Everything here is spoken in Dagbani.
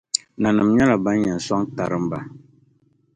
Nanima nyɛla ban yɛn sɔŋ tarimba .